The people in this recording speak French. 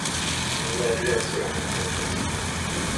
Il n’y avait à cela rien d’impossible.